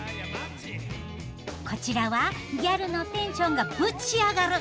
こちらはギャルのテンションがブチ上がる！